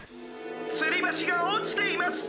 つりばしがおちています！